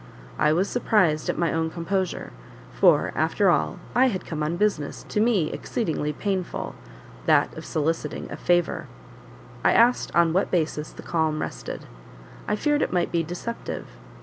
I was surprised at my own composure, for, after all, I had come on business to me exceedingly painful that of soliciting a favour. I asked on what basis the calm rested I feared it might be deceptive.